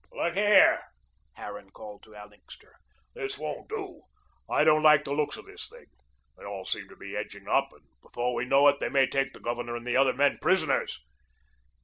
"Look here," Harran called to Annixter, "this won't do. I don't like the looks of this thing. They all seem to be edging up, and before we know it they may take the Governor and the other men prisoners."